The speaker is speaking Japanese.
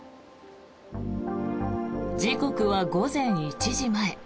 時刻は午前１時前。